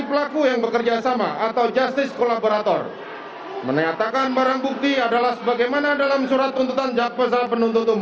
menetapkan terdakwa sebagai saksi